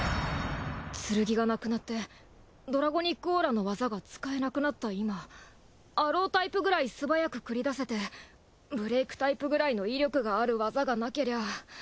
剣がなくなってドラゴニックオーラの技が使えなくなった今アロータイプくらい素早く繰り出せてブレイクタイプくらいの威力がある技がなけりゃ。